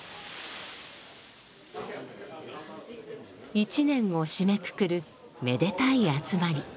一年を締めくくるめでたい集まり。